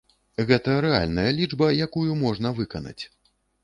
Гэта рэальная лічба, якую можна выканаць.